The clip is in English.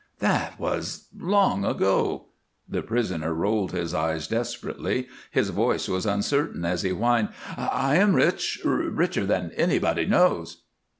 "That was long ago." The prisoner rolled his eyes desperately; his voice was uncertain as he whined, "I am rich richer than anybody knows."